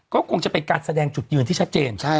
ก็คงจะเป็นการแสดงจุดยืนที่ชัดเจน